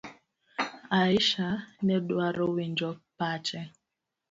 Aisha nedwaro winjo pache.